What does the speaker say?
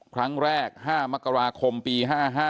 ครั้งแรก๕มกราคมปี๕๕